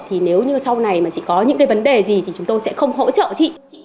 thì nếu như sau này mà chị có những cái vấn đề gì thì chúng tôi sẽ không hỗ trợ chị